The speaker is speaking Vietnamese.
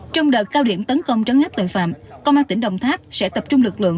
trong đợt cao điểm tấn công trấn áp tội phạm công an tỉnh đồng tháp sẽ tập trung lực lượng